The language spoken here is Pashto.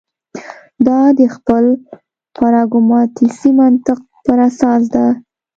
دا د خپل پراګماتیستي منطق پر اساس ده.